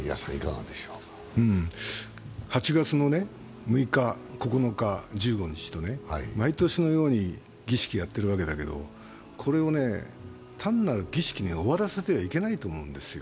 ８月の６日、９日、１５日とね、毎年のように儀式をやっているわけだけども、これを単なる儀式で終わらせてはいけないわけですよ。